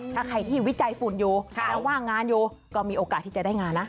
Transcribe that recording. ถ้าใครที่วิจัยฝุ่นอยู่แล้วว่างงานอยู่ก็มีโอกาสที่จะได้งานนะ